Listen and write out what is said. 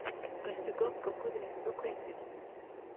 Gasigwa avuga ko birenze ukwemera